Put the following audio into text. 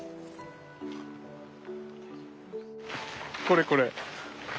これこれ。